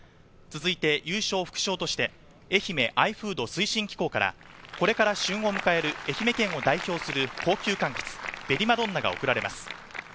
続いて、優勝副賞として、えひめ愛フード推進機構から、これから旬を迎える愛媛県を代表する高級柑橘「紅まどんな」が贈られます。